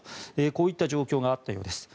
こういった状況があったようです。